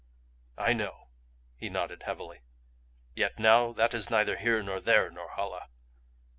"I know," he nodded heavily. "Yet now that is neither here nor there, Norhala.